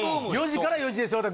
４時から『４時ですよだ』